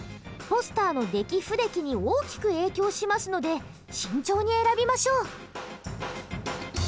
ポスターの出来不出来に大きく影響しますので慎重に選びましょう。